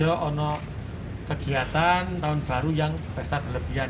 beliau kegiatan tahun baru yang pesta berlebihan